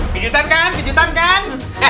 kejutan kan kejutan kan